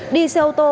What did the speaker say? đi xe ô tô